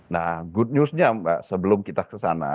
nah good newsnya mbak sebelum kita kesana